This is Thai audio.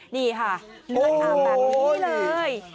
นี่ค่ะเลือดอาบแบบนี้เลย